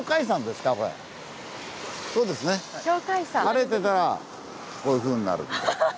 晴れてたらこういうふうになる。